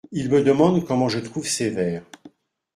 Il me demande comment je trouve ses vers…